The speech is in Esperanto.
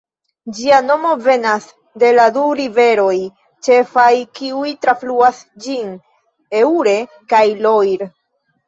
Ĝia nomo venas de la du riveroj ĉefaj, kiuj trafluas ĝin: Eure kaj Loir.